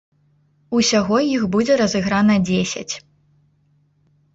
Усяго іх будзе разыграна дзесяць.